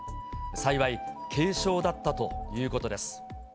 幸い、軽症だったということです。